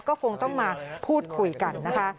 ก็คงต้องมาพูดคุยกันนะคะ